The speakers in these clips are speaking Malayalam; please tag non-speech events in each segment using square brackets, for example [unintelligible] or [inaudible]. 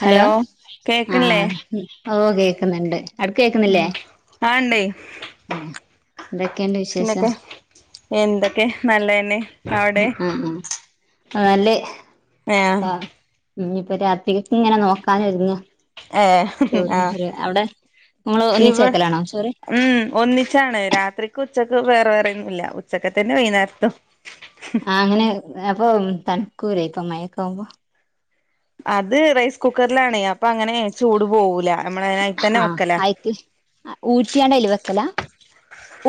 ഹലോ കേക്കണില്ലേ ആഹ ഇപ്പൊ കേക്കുന്നുണ്ട് അവുട്ക്ക് കേക്കുന്നില്ലേ ആഹ ഇണ്ടേ എന്തൊക്കെണ്ട് വിശേഷം പിന്നൊക്കെ എന്തൊക്കെ നല്ലതെന്നെ ഉം ഉം ഉം ആഹ നല്ലത് ആ ആഹ ഇഞ്ഞിപ്പം രാത്രിക്കക്ക് ഇങ്ങനെ നോക്കാൻ ഒരുങ്ങാ ഏഹ് ചോറും കറിം അവടെ നിങ്ങള് ഇവ ഒന്നിച്ച് വെക്കലാണോ ചോറ് ഉം ഒന്നിച്ചാണ് രാത്രിക്ക് ഉച്ചക്ക് വേറെ വേറൊന്നും ഇല്ല ഉച്ചക്കത്തെന്നെ വൈന്നാരത്തും ആഹ അങ്ങനെ അപ്പം തണ്ക്കൂലെ ഇപ്പം മയക്കാവുമ്പം അത് റൈസ് കുക്കറിലാണെ അപ്പങ്ങനെ ചൂട് പോകൂല നമ്മള് അതിൽ തന്നെ ആ വെക്കല ആയിക്ക് ഊറ്റിയാണ്ട് അയല് വെക്കലാ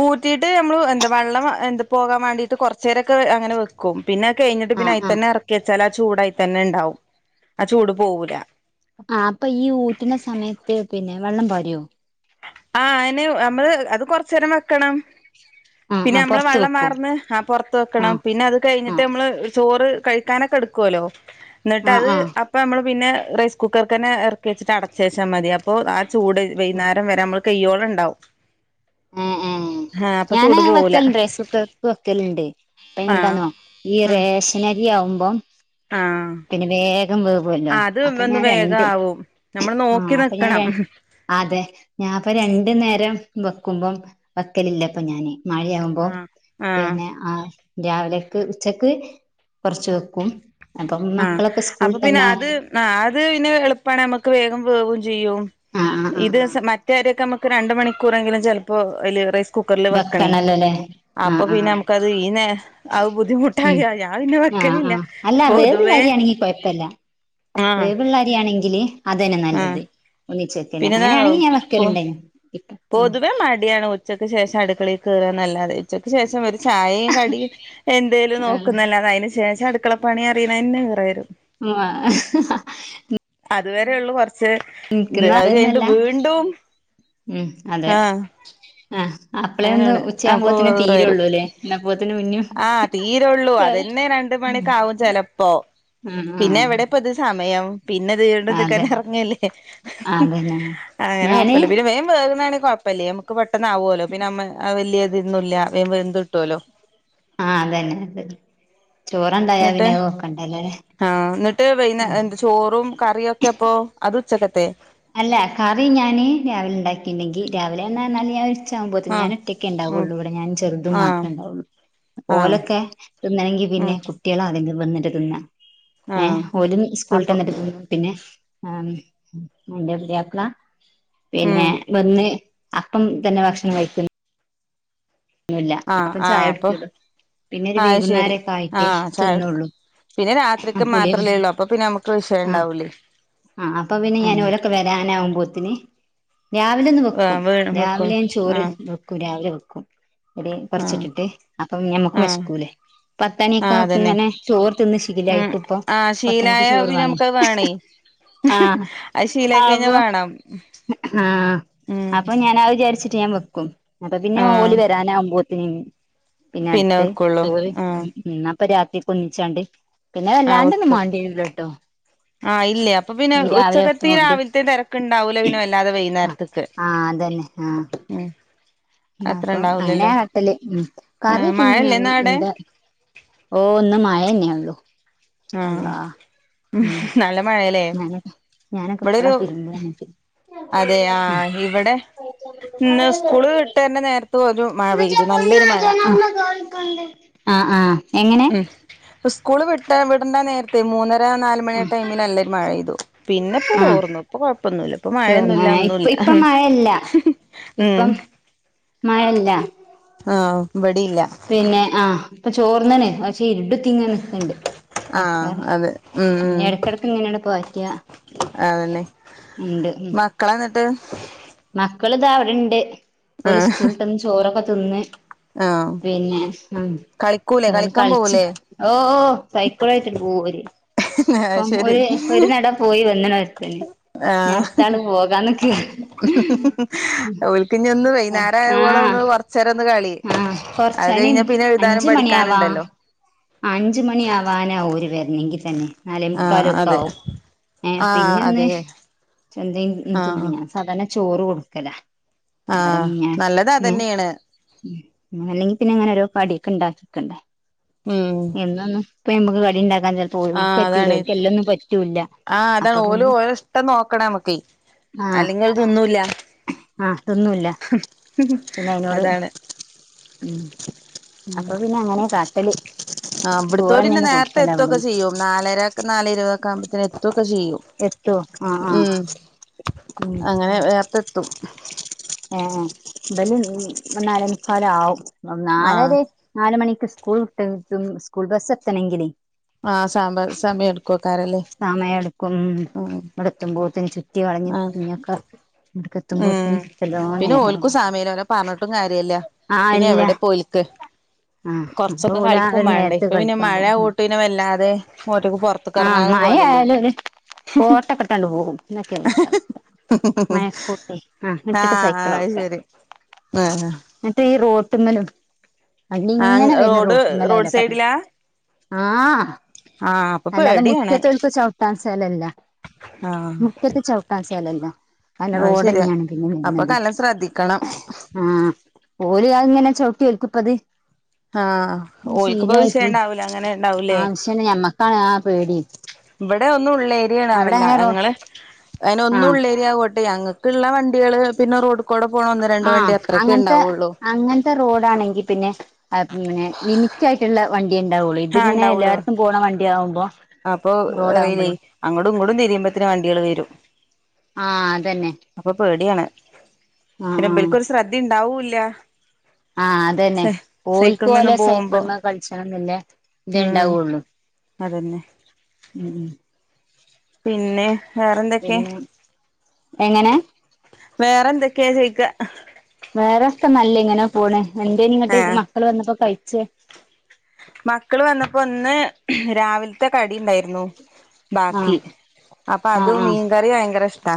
ഊറ്റീട്ട് നമ്മൾ എന്താ വെള്ളം എന്ത പോകാൻ മാണ്ടീട്ട് കൊറച്ചേരൊക്കെ അങ്ങനെ വെ ക്കും. പിന്നെ അത് കഴിഞ്ഞിട്ട് ആ പിന്നെ ആ അയിത്തന്നെ എറക്കി വെച്ചാ ആ ചൂടയിത്തന്നെ ഇണ്ടാവും. ആ ചൂട് പോവൂല. ആഹ് അപ്പം ഈ ഊറ്റ്ണ സമയത്ത് പിന്നെ വെള്ളം പാര്യൊ. ആഹ് അയിന് നമ്മള് അത് കൊറച്ചേരം വെക്കണം. ആ ആ പിന്നെ ഞമ്മള് പൊറത്ത് വെള്ളം വെക്കും പാർന്ന് ആ പൊറത്ത് ആ വെക്കണം. പിന്നെ അത് ആ കഴിഞ്ഞിട്ട് നമ്മള് ചോറ് കഴി ക്കാനൊക്കെ എടുക്കോലൊ. ഇന്നട്ട് ആ അത് ആ അ ആ അപ്പം ഞമ്മള് പിന്നെ റൈസ് കുക്കർക്കെന്നെ എറക്കി വെച്ചിട്ട് അടച്ച് വെച്ചാ മതി. അപ്പം ആ ചൂട് വെയ്ന്നാ അത് കയ്യോളണ്ടാവും. ഉം ഉം ഞാന് വെക്കല്ണ്ട് റൈസ് കുക്കർക്ക് വെക്കല്ണ്ട്. ഇപ്പം അയ്ന് ആഹ് എന്താന്നോ ഈ ഉം റേഷ നരി ആവുമ്പം. ആഹ് പിന്നെ വേഗം വേവൊല്ലോ. അത് അപ്പം ഒന്ന് ഞാൻ വേഗം രണ്ട് ആവും നമ്മള് ആഹ് നോക്കി അപ്പം ഞാൻ ര നിക്കണം അതെ. ഞാൻ ഇപ്പം രണ്ട് നേരം വെക്കുമ്പം വെക്കലില്ലപ്പം ഞാന്. മഴയാവുമ്പം ആഹ് ആഹ് പിന്നെ ആ രാവിലെക്ക് ഉച്ചക്ക് കൊറച്ച് വെക്കും. അപ്പം ആഹ് മക്കളൊക്കെ അപ്പൊ പിന്നെ സ്കൂള്ട്ടന്നാ. അത് ആഹ് അത് പിന്നെ എളുപ്പാണ്. ഞമ്മക്ക് വേഗം വേവും ചെയ്യും. ആ ആ ആ ഇത് ആ സാ മ മറ്റേര്യൊക്കെ ഞമ്മക്ക് രണ്ട് മണിക്കൂറെങ്കിലും ചെലപ്പോ അയ്ല് റൈസ് കുക്കർല് വെക്കണെ. വെക്കണല്ലോല്ലേ ആ അപ്പം ആ പിന്നെ നമുക്കത് ഈ നേരം അത് ഉം ബുദ്ധിമുട്ടായ ഞാൻ പിന്നെ ആ വെക്കലില്ല. ആ പൊതുവേ വേവ്ള്ളരിയാണെങ്കി കൊഴപ്പല്ല. ആഹ് വേവ്ള്ളരിയാണെങ്കില്. അതെന്നെ ആഹ് നല്ലത്. ഒന്നിച്ച് വെക്കന്നെ. പിന്നെന്താന്നോ അങ്ങനെയാണെങ്കി ഞാൻ പൊ വെക്കലുണ്ടെയ്നു ഇപ്പം. പൊതുവെ മടിയാണ്. ഉച്ചയ്ക്ക് ശേഷം അടുക്കളേക്ക് കയറാൻ നല്ലാതെ. ഉച്ചക്ക് ശേഷം ചായേയ് കടിയും എന്തേലും നോക്കുന്നല്ലാതെ അതിന് ശേഷം അടുക്കളപ്പണി അറിണെന്നെ ഈറ വരും. ആ അതുവരേ ഒള്ളു കൊറ്ച്ച് ഇത്. അത് കഴിഞ്ഞട്ട് അതൊന്നല്ല വീണ്ടും. ഉം അതെ ആഹ് ആ അപ്ലെ ഒന്ന് അങ്ങനെയാണ് അപ്പൊ ഉച്ചയാകുമ്പോത്തിനും വേറെ തീരൊള്ളുലെ. എന്ന പോത്തിനും പിന്നിം. തീരൊള്ളൂ. അതെന്നെ രണ്ട് മണിക്കാവും ചെലപ്പോ. ആഹ് പിന്നെ ആഹ് എവിടെ ഇപ്പ ഇത് സമയം. പിന്നെത് വീണ്ടും അതെ ഇതിക്കെന്നെ എറ്ങ്ങല്ലേ. അതന്നെ അങ്ങനെ ഞാന് കൊപ്പല്ല പിന്നെ. വേം വേവ് ണാണെങ്കി കൊഴ് അപ്പല്ലേ. നമക്ക് പെട്ടെന്ന് ആവോലൊ. പിന്നെ അമ്മ വലിയ ഇതൊന്നുല്ല. വേം വെന്ത് കിട്ട്വല്ലോ. ആഹ് അതെ ന്നെ അത്. ചോറുണ്ടായാ ഇന്നട്ട് പിന്നെ അത് വെക്കണ്ടല്ലോല്ലേ ആഹ്. ഇന്നട്ട് വ എന്താ ചോറും കറിയൊക് ക്കപ്പോ അത് ഉച്ചകത്തെ അല്ല കറി ഞാന് രാവിലെ ഇണ്ടാക്കിണ്ടെങ്കി രാവിലേന്ന് പറ്ഞാല് ഞാൻ - ഉച്ചാവുമ്പോത്തിന് ആഹ് ഞാന് ഉം ഒറ്റൊക്കെണ്ടാവൊള്ളു. ഇവിടെ ഞാനും ചെറുതും ആഹ് മാത്രെ ഇണ്ടാവൊള്ളു. ആഹ് ഓലൊക്കെ തിന്നണെങ്കി ഉം പിന്നെ കുട്ട്യാള [unintelligible] ആദ്യ വന്നിട്ട് തിന്ന. എ ആഹ് ഓലും അപ്പം സ്കൂള്ട്ടന്നിട്ട് തിന്നും പിന്നെ. ആമീൻ. അന്റെ പുത്യാപ്ല പിന്നെ ഉം വന്ന് അപ്പം തന്നെ ഭക്ഷണം കഴിക്കുന്നു. ആഹ് അപ്പം ആ ചായ അപ്പൊ കുടിക്കുള്ളൂ പിന്നെ ഒരു ആഹ് ശെരി വൈകുന്നേരൊക്കെ ആയിട്ടേ ആഹ് ചായ എടുക്കും. തിന്നുള്ളൂ പിന്നെ ആഹ് രാത്രിക്ക് കുളിയൊക്കെ മാത്രല്ലെള്ളു. അപ്പൊ പിന്നെ നമുക്ക് വിഷയം ആഹ് ഇണ്ടാവൂലേ. ആഹ് അപ്പൊ പിന്നെ ഞാൻ ഓരൊക്കെ വരാനാവകുമ്പോത്തിന്. രാവിലെ ഒന്ന് വെക്കും. ആഹ് വീണ് വെക്കും രാവിലെ ഞാൻ ചോറ് ആഹ് വെക്കും. രാവിലെ വെക്കും. ഒര് ആഹ് പറ്ച്ചിട്ടിട്ട്. അപ്പം ഞമ്മക്ക് വെശ് ആഹ് ക്കൂലെ. ആഹ് പത്തണിക്കൊക്കെ അതന്നെ ഇങ്ങനെ ചോറ് തിന്ന് ഉം ശില്യയിട്ട് ഇപ്പൊ ആഹ് പത്തണിക്ക് ശീലായ ചോറ് പിന്നെ വേണം. നമുക്കത് വേണേ ആഹ് അത് ശീലായി കഴിഞ്ഞാ അവൊ വേണം ആഹ് ഉം അപ്പൊ. ഞാനത് വിചാരിച്ചി്ട്ട് ഞാൻ വെക്കും അപ്പൊ പിന്നെ ആഹ് ഓല് വരാനാവുമ്പോത്തിന് പിന്നെ അടുത്തത് വെക്കുള്ളൂ ആഹ് [unintelligible] ഇപ്പൊ രാത്രിക്ക് ഒന്നിച്ചാണ്ട് പിന്നെ ആഹ് വല്ലാണ്ട ഒന്നും വെക്കും മാണ്ടി വരൂല ട്ടോ ആഹ് ഇല്ലേ അപ്പൊ പിന്നെ ഉച്ചക്കത്തി വെക്ക്ണോണ്ട് രാവിലത്തെ തിരക്കുണ്ടാവൂല പിന്നെ വല്ലാതെ ആഹ് വൈന്നേരത്ത്ക്ക് ആഹ് അതന്നെ ആഹ് ഉം അത്ര അപ്പൊ അങ്ങനെയാ ഉണ്ടാവൂലല്ലോ കാട്ടല് ഉം ആ കറി ഒക്കെ പിന്നെ മഴല്ലേ ഞാന് ഇന്ന് അവിടെ എന്താ ഓഹ് ഇന്ന് മഴന്നെയൊള്ളു ആഹ് നല്ല മഴല്ലേ ഞാനൊക്കെ ഞാനൊക്കെ ഇവിടെ ഇപ്പളാ ഒരു തിരുമ്പല് എന്നിട്ട് അതെയ് ആഹ് ഇവിടെ ഇന്ന് സ്കൂള് വിട്ട് വര്ണ നേരത്ത് ഒരു മഴ പെയ്തു നല്ലൊരു മഴ ആഹ് ആഹ് എങ്ങനെ ഉം സ്കൂള് വിട്ട വിടണ്ട നേരത്തെ മൂന്നര നാലുമണി ടൈമില് നല്ലൊരു മഴയ്തു പിന്നെ ഇപ്പൊ ആഹ് തോർന്നു ഇപ്പൊ കൊഴപ്പൊന്നുല്ല ഇപ്പ മഴയൊന്നുല്ല ഒന്നുല്ല ഇല്ല ഇപ്പം ഉം മഴല്ല ആഹ് ബടി ഇല്ല പിന്നെ ആഹ് ഇപ്പൊ ചോർന്നണ് പക്ഷെ ഇരുട്ത്തിങ്ങനെ നിക്കണ്ട് മഴക്കാറ് ഉം എടക്കിടക്ക് ഇങ്ങനെ പാറ്റ അതെന്നെ മക്കളൊ എന്നിട്ട് മക്കളിതാ ഇവിടെണ്ട് ഇപ്പോല് ആഹ് സ്കൂള്ട്ടന്ന് ചോറൊക്കെ തിന്ന് ആഹ് പിന്നെ കളിക്കൂലേ അ കളിക്കാൻ കളിച്ചു പോവൂലേ ഓഹ് സൈക്കിളൊയ്ട്ട് പോര് ആഹ് അപ്പം ശരി ഒരു ഒരു നട പോയി വന്നണ് ഒരുത്തന് ഇനി ആഹ് അടുത്ത ആള് പോകാൻ നിക്കാ ഓൽക്കിഞ്ഞൊന്ന് വൈന്നേരം ആവോളം ഒന്ന് ആഹ് കൊർ ച്ചേരൊന്ന് കളി ആഹ് അത് കൊറച്ചന് കഴിഞ്ഞ പിന്നെ എഴുതാനും അഞ്ച് പഠിക്കാനും മണിയാവാ ഉണ്ടല്ലോ അഞ്ച് മണി ആവാനാവും ഓര് വരുന്നെങ്കിൽ തന്നെ നാലേ മുക്കാല് ആഹ് ഒക്കെ അതെ ആവും ഏഹ് പിന്നെ ആഹ് ഒന്ന് അതെ എന്തേലും തിന്ന് ആഹ് ഞാൻ സാധാരണ ചോറ് കൊടുക്കല ആഹ് വേറെന്നാ നല്ലത് ഏഹ് അതന്നേണ് ഉം അല്ലെങ്കി പിന്നെ അങ്ങനെ ഓരോ കടിയൊക്കെ ഇണ്ടാക്കിക്കണ്ടേ ഉം എന്നൊന്നും ഇപ്പ നമക്ക് കടി ഉണ്ടാക്കാൻ ചെൽ ആഹ് അതാണ് ആഹ് അതാണ് അപ്പൊ ഓല് ഓലെ പിന്നെ ഓരോ ഇഷ്ടം നോക്കണം നമ്മക്ക് ആഹ് അല്ലെങ്കി അത് തിന്നൂല്ല ആഹ് തിന്നൂല്ല പിന്നെ അയിനോട് അതാണ് അ ഉം അപ്പൊ പിന്നെ അങ്ങനെ കാട്ടല് ആഹ് ഇബടത്തോല്ന്നെ ചോറന്നെയാണ് നേരത്തെ കൊടുക്കല് എത്തൊക്കെ അവിടുന്ന് ചെയ്യും നാലര നാലേ ഇരുപത് ആകുമ്പത്തേന് എത്തു ത്തൊക്കെ ചെയ്യും എത്തുവോ ആഹ് ആഹ് ഉം ഉം അങ്ങനെ നേർത്തെത്തും ആഹ് ഇബല് നാലെ മുക്കാൽ ആവും നാലര ആഹ് നാല മണിക്ക് സ്കൂൾ വിട്ടിട്ടും സ്കൂൾ ബസ് എത്തണെങ്കിലേ ആഹ് സമ്പ സമയം എടുക്കുവയ്ക്കാരല്ലേ സമയം എടുക്കും ഇവിടെ എത്തുമ്പോത്തിന് ചുറ്റി വളഞ്‌ ആഹ് [unintelligible] ഉം പിന്നെ ഓൽക്കും സമയല്ല ഓലെ പറഞ്ഞിട്ടും കാര്യല്ല ആഹ് പിന്നെ ഇല്ല എവിടെ പോയിക്ക് ആഹ് അപ്പൊ കൊറച്ചൊക്കെ ഓല് ആ കളിക്കും ഒരു വേണ്ടേ നേരത്ത് ഇപ്പൊ പിന്നെ കളിക്കാൻ മഴ പോകും ഉം കോട്ട്നെ വല്ലാതെ റോട്ട്ക്ക് പൊറത്ത് ഇപ്പൊ കറങ്ങാനും കോലല്ലേ കോട്ടക്കെട്ടാണ്ട് പോകും എന്നൊക്കെ ഇതൊക്കെണ് ഇവിടുത്തെ അവസ്ഥ മഴ കോ ട്ടെയ് ആഹ് മുറ്റത്ത്‌ അത് സൈക്കിളവിട്ട ശരി ആഹ് എന്നിട്ട് ഈ റോട്ട്മ്മലും ആഹ് വണ്ടിങ്ങനെ വര്ണ റോഡ് റോട്ട്മ്മല റോഡ് ഓലെ കളി സൈഡിലാ ആഹ് ആഹ് അല്ലാതെ പേടിയാണ് മുറ്റത്തൊൽ ക്ക് ചവിട്ടാൻ സ്ഥലല്ല ആഹ് മുറ്റത്ത് ചവിട്ടാൻ സ്ഥലല്ല ല്ല അത് റോഡ ശരിയാ തന്നെയാണ് പിന്നെ അപ്പൊ വരുന്നത് നല്ലോം ശ്രദ്ധിക്കണം ആഹ ഓലെ ആങ്ങ് ഇങ്ങനെ ചോട്ടി ഓരുക്കുപ്പത് ആഹ ഓൽക്ക് പവിശ്യ ഉണ്ടാവൂല അങ്ങനെ ഉണ്ടാവലേ പക്ഷേ ഞമ്മക്കാണ് ആ പേടി ഇവിടെ ഒന്നും അവിടെ ഉള്ളേരിയണാവല്ല അങ്ങനെ റോ ഞങ്ങള് അയിന് ഒന്നും ആഹ് ഉള്ളേരിയ ആവോട്ടെ ഞങ്ങ ക്ക്ള്ള വണ്ടികള് പിന്നെ റോഡ കൂടെ പോണ ഒന്ന് രണ്ട വണ്ടി അത്രയൊക്കെ ഉണ്ടാവുള്ളൂ റോഡ ആണെങ്കിൽ പിന്നെ ലിമിറ്റ ആയിട്ടുള്ള വണ്ടി ഉണ്ടാവുള്ളൂ ആഹ് ഇതിങ്ങനെ ഉണ്ടാവുള്ളൂ എല്ലാർക്കും പോണ വണ്ടിയ ആകുമ്പോ അപ്പൊ അറിയില്ലേ അങ്ങോടും ഇങ്ങോടും തിയുമ്പത്തന് വണ്ടികള് വരും ആഹ അതന്നെ അപ്പൊ പേടിയാണ് ആഹ് പിന്നെ ആഹ് ബൽക്കും ഒരു ശ്രദ്ധ ഇണ്ടാവൂല്ല ആഹ അതന്നെ ഓൽക്കോലെ പോകുമ്പോ സൈക്കിളമ കളിച്ചണന്ന്ല്ലേ ഉം ഇതെണ്ടാവുള്ളു അതന്നെ ഉം പിന്നെ വേറെന്തൊക്കെ [unintelligible] എങ്ങനെ വേറെ എന്തൊക്കെയാ ചോയിക്ക വേറെസ്ഥ നല്ല ഇങ്ങനെ പോണ് എന്തേനി ഇങ്ങട്ട് ആഹ് മക്കള് വന്നപ്പോ കഴിച്ചേ മക്കള് വന്നപ്പോ ഇന്ന് രാവിലെ ത്തെ കടി ഉണ്ടായിരുന്നു ആഹ് ബാക്കി അപ്പൊ ആഹ് അതും ആഹ് മീൻകറി ഭയങ്കര ഇഷ്ടാ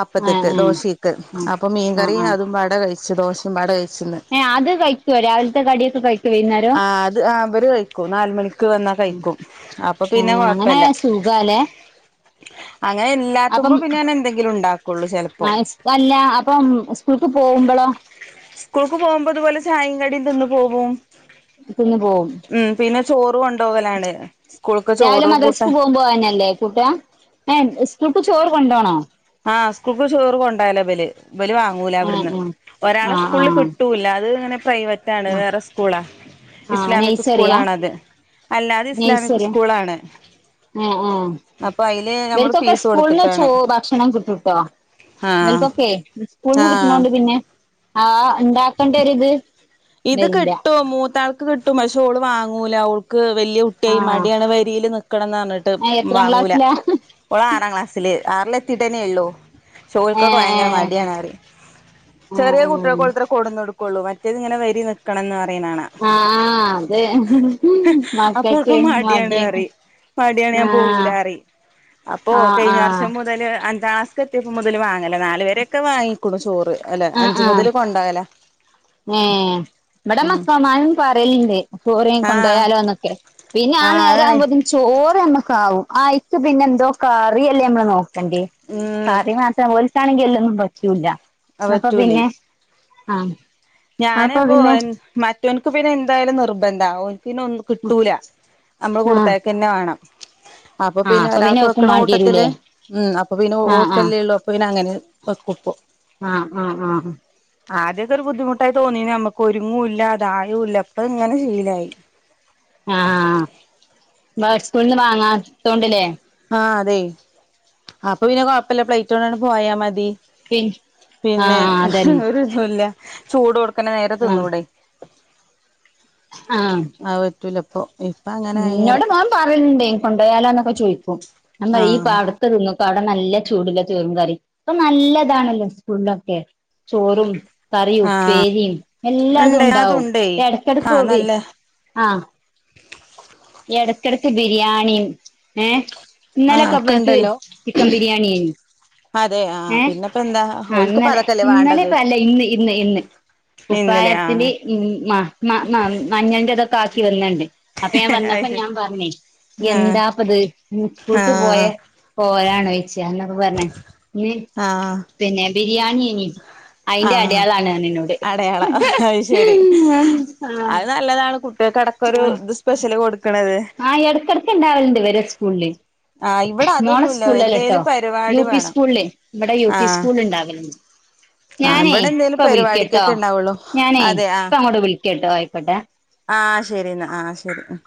അപ്പത്തേത്ത് ആഹ് ആഹ് ദോശക്ക് ആഹ് അപ്പൊ ആഹ് മീൻകറി ആഹ് അതും വാട കഴിച്ചു ദോശയും വാട കഴിച്ചിന്ന് ഏഹ് അത് കഴിക്കോ രാവിലത്തെ കടിയൊക്കെ കഴിക്കോ വൈന്നേരം ആ അത് ആഹ് ഇവര് കഴിക്കും ക്കും നാലുമണിക്ക് വന്നാ കഴിക്കും അപ്പൊ പിന്നെ ആഹ് അങ്ങനെ കൊഴപ്പല്ല സുഖാല്ലേ അങ്ങനെ അപ്പം ഇല്ലാത്തുമ്പോ പിന്നെനെന്തെങ്കിലും ഉണ്ടാക്കുള്ളൂ ചെലപ്പോ അല്ല അപ്പം സ്കൂൾക്ക് പോകുമ്പളോ സ്കൂൾക്ക് പോകുമ്പോതുപോലെ ചായീങ്കടി തിന്ന് പോകും തിന്ന് പോവും ഉം പിന്നെ ചോറ് കൊണ്ടകലാണ് സ്കൂൾക്ക് ചോറും കൂട്ടാ പോകാന്നല്ലേ കൂട്ടാ ഏഹ് സ്കൂൾക് ചോറ് കൊണ്ടോണോ ആഹ് സ്കൂൾക്ക് ചോറ് കൊണ്ടോവല ബല് ഇവല് വാങ്ങൂല ഏഹ് അവിടുന്ന് ഏഹ് ഒരാളെ ആഹ് സ്കൂളിൽ ആഹ് കിട്ടൂല അത് ഇങ്ങനെ പ്രൈവ റ്റാണ് ആഹ് വേറെ സ്കൂളാ ആഹ് ഇസ്ലാമിക് സ്കൂള നൈസറിയാ ആണത് അല്ലാതെ ഇസ്ലാമിക് നൈസറിയാ സ്കൂൾ ആണ് ഏഹ് ഏഹ് ഇവര് നമ്മള് ക്കൊക്കെ ഫീസ് സ്കൂൾന്ന് ചോ കൊടുത്തിട്ടാണ് ഭക്ഷണം കിട്ടുട്ടോ ആഹ് ബൽക്കൊക്കെ സ്കൂളന്ന് ആഹ് കിട്ടുണോണ്ട് പിന്നെ ആ ഇണ്ടാക്കണ്ടരുത് ഇത് കിട്ടും മൂത്താൾക്ക് കിട്ടും പക്ഷേ ഓള് വാങ്ങൂല ഓ ക്ക് വല്യ കുട്ടിയായി ആഹ് മടിയാണ് വരിൽ നിക്കണംന്ന് പറഞ്ഞിട്ട് എത്രാം വാങ്ങൂല ക്ലാസ്സിലാ ഒള് ആറാം ക്ലാസ്സില് ആറിൽ എത്തിയിട്ടേന്നെ ഉള്ളൂ ചോൽക്കൊക്കെ ഏഹ് ഭയങ്കര ഏഹ് മടിയാണ് പറയും ആഹ് ചെറിയ ആഹ് കുട്ട്യാൾക്കൊത്ര കൊടന്ന് കൊടുക്കുള്ളൂ മറ്റേ ഇങ്ങന വരി ക്കണംന്ന് പറയണ് കാണാ ആഹ് അതെ അപ്പോൾക്ക് മടിയാണ് റിയും മടിയാണ് ഞാൻ ആഹ് പോവൂലാറിയും അപ്പോ ആഹ് കഴിഞ്ഞ ആഹ് വർഷം മുതല് അഞ്ചാം ക്ലാ സ്ക്ക് എത്തിയപ്പം മുതല് വാങ്ങല നാല് വരെയൊക്കെ വാങ്ങിക്ക്ണു ചോറ് അല്ല അഞ്ചു മുതല് കൊണ്ടോവല ങ്ങേ ഇവടം മക്കൾമാരും പറയലുണ്ട് ചോറ് ആഹ് കൊണ്ടുപോയാലോന്നൊക്കെ പിന്നെ ആ ആഹ് നേര അതാണ് ആവുമ്പോത്തി ചോറ് നമ്മക്കാവും അയിക്ക് പിന്നെ എന്തോ കറി അല്ലേ നമ്മള് നോക്ക ക്കണ്ടിയെ ഉം കറി മാത്രം ഓൽക്കാണെങ്കി എല്ലൊന്നും പറ്റൂല്ല അപ്പ പിന്നെ ആഹ് ഞാന് അപ്പൊ അപ്പോ പിന്നെ മറ്റോൻക്ക് പിന്നെ എന്തായാലും നിർബന്ധ ഓൻക്ക് പിന്നെ ഒ ന്നും കിട്ടൂല നമ്മള് ആഹ് കൊടുത്തേയക്കന്നെ വേണം അപ്പൊ ആഹ് പിന്നെ ഒരാൾക്ക് ഓക്കും വെക്കണ കൂട്ടത്തില് മാണ്ടിരൂലേ ഉം അപ്പൊ പിന്നെ ആഹ് ആഹ് ഓൾക്കല്ലേ ഒള്ളൂ അപ്പൊ പിന്നങ്ങനെ വെക്കു പ്പോ ആഹ് ആഹ് ആഹ് ആദ്യക്കെ ഒരു ബുദ്ധിമുട്ടായി തോന്നീന് നമുക്ക് ഒരുങ്ങൂല്ല തായൂല്ല ഇപ്പയിങ്ങനെ ശീലായി ആഹ് മോൻ സ്കൂളിന്ന് വാങ്ങാത്തോണ്ട്ല്ലേ ആഹ് അതെ അപ്പൊ പിന്നെ കൊഴപ്പല്ല പ്ലേറ്റ് കൊണ്ടണ്ട് പോയാ മതി പി പിന്നെ ആഹ് അതന്നെ ഒരു ഇതൂല്ല ചൂടോട്ക്കനെ നേര ആഹ് തിന്നൂടെ? ആഹ് അഹ് പറ്റൂല ഇപ്പൊ ഉം ഉം ഇന്നോട് മോൻ പറയല്ണ്ട് കൊണ്ടോയാലോ എന്നൊക്കെ ചോയിക്കും ഞാ പറയും ഈ ആഹ് പാട പ്പട്ത്തെ തിന്ന്ക്കോ അവ്ടെ നല്ല ചൂട്ല്ലെ ചോറും കറി ഇപ്പൊ നല്ലതാണല്ലോ സ്കൂൾലൊക്കെ? ചോറും കറിയു ആഹ് ഉപ്പേരിയും ഉണ്ട് എല്ലാതുംണ്ടാവും അതുണ്ടേ എടക്കെടക്ക് ആഹ് ബി നല്ല ആഹ് എടയ്ക്കെടക്ക് ബിരിയാണിയും ഏഹ് ആഹ് ഇന്നലൊക്കെ ഒക്കെ ഇബൽക്ക് ഉണ്ടല്ലോ ചിക്കം ബിരിയാണിയേനി അതെ ആഹ് ഏഹേ? പിന്നെപ്പോ എന്താ ആ ഓൽക്ക്പ്പ ഇന്നലെ അതൊക്കെല്ലേ വേണ്ടത് ഇന്നലെപ്പൊ അല്ല ഇന്ന് ഇന്ന് ഇന്ന് ഇന്നലെ ആഹ് കുപ്പായത്തില് മ മഞൾന്റെ ഇതൊക്കെ ആക്കി വന്നുണ്ട് അപ്പൊ ഞാൻ വന്നപ്പോ അപ്പൊ അത് ഞാൻ പറഞ്ഞേ ആഹ് എന്താപ്പത് സ്കൂൾക്ക് പോയ ആഹ് കോലാണോ ചോയ്ച്ച പ്പൊ പറഞ് ഇന്ന് ആഹ് പിന്നെ ബിരിയാണിയേനി അയിന്റെ ആഹ് അടയാളാണ് പർഞ്ഞ്ന്നോട് അടയാളം അത് ശരി ക്കൊരു ഇത് സ്പെഷ്യല് കൊടുക്ക്ണത് ആഹ് എടക്കിടയ് ഇണ്ടാവല്ണ്ട് ഇവരെ സ്കൂളില് ആഹ് ഇവടെ മോളെ അതൊന്നുല്ല സ്കൂളിലല്ലട്ടോ എന്തേലും പരിവാടി വേണം ആഹ് ഇണ്ടാകല്ണ്ട് ആഹ് ഇബടെന്തേലും പരിപാടിക്കക്കെ ഇണ്ടാവൊള്ളൂ ഞാനേ അതെ ആഹ് ഇപ്പ അങ്ങോട്ട് വിളിക്കട്ടോ ആയിക്കോട്ടെ ആഹ് ശരിന്നാ ആ ശരി ഉം